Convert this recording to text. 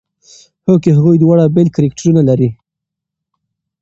هوکې هغوی دواړه بېل کرکټرونه لري.